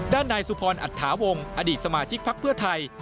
ด้านนายสุพรอัตถาวงอดีตสมาชิกพักเพื่อไทย